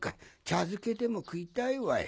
茶漬けでも食いたいわい。